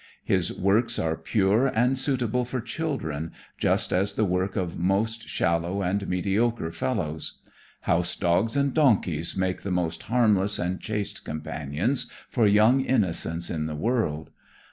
His works are pure and suitable for children, just as the work of most shallow and mediocre fellows. House dogs and donkeys make the most harmless and chaste companions for young innocence in the world.